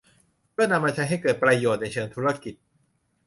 เพื่อนำมาใช้ให้เกิดประโยชน์ในเชิงธุรกิจ